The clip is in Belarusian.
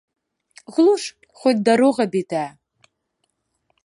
Глуш, хоць дарога бітая.